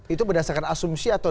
itu berdasarkan asumsi atau